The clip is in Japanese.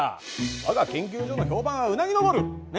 わが研究所の評判はうなぎ上るね？